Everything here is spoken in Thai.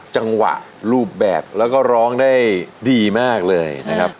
จังหวะรูปแบบแล้วก็ร้องได้ดีมากเลยนะครับ